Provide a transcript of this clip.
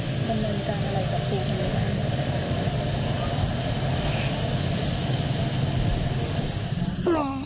อยากให้เขาบำเนินการอะไรกับครูขนาดนี้หรือ